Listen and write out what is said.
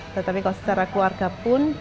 tetapi kalau secara keluarga pun